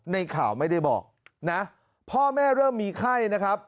ในข่าวไม่ได้บอกนะพ่อแม่เริ่มมีไข้นะครับ